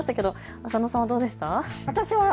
浅野さんはどうですか。